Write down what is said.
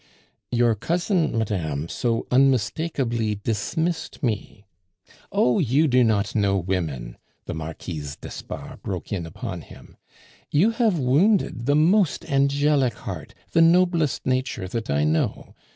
"Your cousin, madame, so unmistakably dismissed me " "Oh! you do not know women," the Marquise d'Espard broke in upon him. "You have wounded the most angelic heart, the noblest nature that I know.